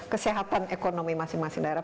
kesehatan ekonomi masing masing daerah